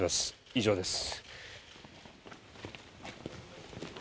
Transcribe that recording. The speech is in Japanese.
以上です。